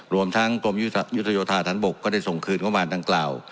รวมทั้งกรมอยุธยุทธาทันบกก็ได้ส่งคืนเข้ามาดังกล่าว